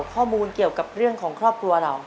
ข้อมูลเกี่ยวกับเรื่องของครอบครัวเรา